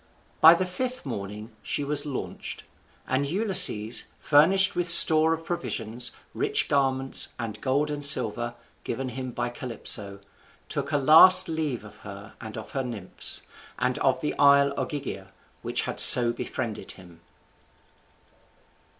By the fifth morning she was launched; and Ulysses, furnished with store of provisions, rich garments, and gold and silver, given him by Calypso, took a last leave of her and of her nymphs, and of the isle Ogygia which had so befriended him.